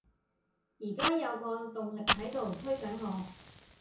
而家有個動力喺度推緊我